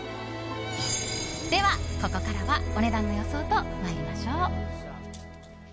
では、ここからはお値段の予想と参りましょう。